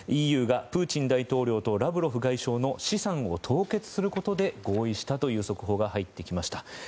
ＥＵがプーチン大統領とラブロフ外相の資産を凍結することで合意したという速報が入ってきました。